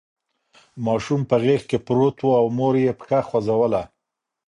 ماشوم په غېږ کې پروت و او مور یې پښه خوځوله.